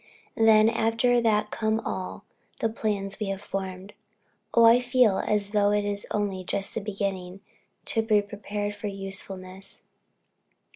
Then after that come all the plans we have formed. Oh, I feel as though only just beginning to be prepared for usefulness."